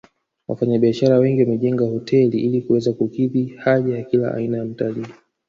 Wafanyabiashara wengi wamejenga hoteli ili kuweza kukidhi haja ya kila aina ya mtalii